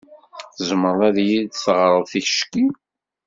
Tzemreḍ ad iyi-d-teɣreḍ ticki?